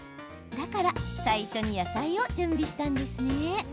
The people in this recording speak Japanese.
だから最初に野菜を準備したんですね。